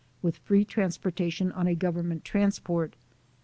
with free transporta tion on a Government transport.